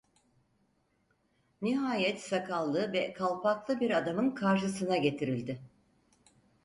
Nihayet sakallı ve kalpaklı bir adamın karşısına getirildi.